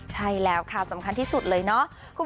ใช่แล้วค่ะสำคัญที่สุดเลยเนาะ